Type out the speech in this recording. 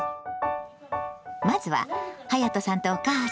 まずははやとさんとお母さん。